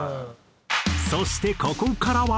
そしてここからは。